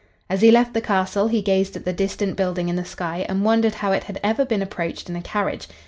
As he left the castle he gazed at the distant building in the sky and wondered how it had ever been approached in a carriage.